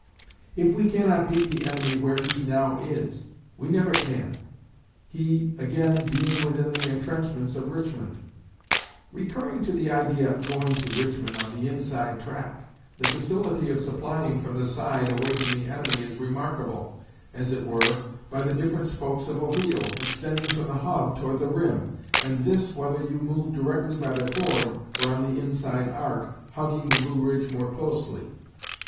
If we cannot beat the enemy where he now is, we never can, he again being within the intrenchments of Richmond. Recurring to the idea of going to Richmond on the inside track, the facility of supplying from the side away from the enemy is remarkable, as it were, by the different spokes of a wheel, extending from the hub toward the rim, and this whether you move directly by the chord, or on the inside arc, hugging the Blue Ridge more closely.